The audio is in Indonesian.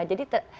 jadi ternyata bisa